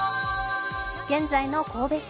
現在の神戸市。